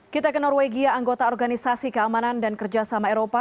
kita ke norwegia anggota organisasi keamanan dan kerjasama eropa